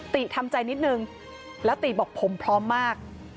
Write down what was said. ติทำใจนิดนึงแล้วติบอกผมพร้อมมาก